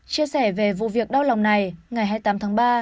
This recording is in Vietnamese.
chia sẻ về vụ việc đau lòng này ngày hai mươi tám tháng ba